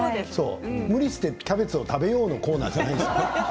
無理してキャベツを食べようというコーナーじゃないから。